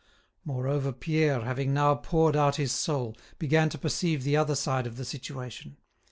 Moreover, Pierre, having now poured out his soul, began to perceive the other side of the situation.